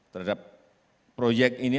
terhadap proyek ini